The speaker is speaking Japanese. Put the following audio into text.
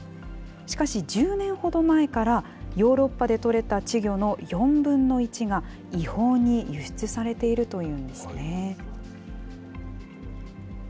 しかし１０年ほど前から、ヨーロッパで取れた稚魚の４分の１が、違法に輸出されているというんですね。